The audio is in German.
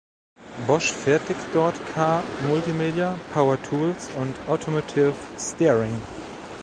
Bosch fertigt dort Car Multimedia, Power Tools und Automotive Steering.